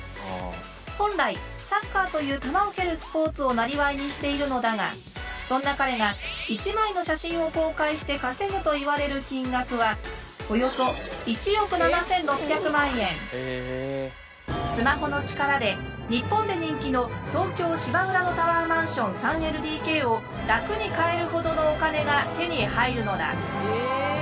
本来サッカーという球を蹴るスポーツをなりわいにしているのだがそんな彼が１枚の写真を公開して稼ぐといわれる金額はスマホの力で日本で人気の東京・芝浦のタワーマンション３ＬＤＫを楽に買えるほどのお金が手に入るのだ。え！？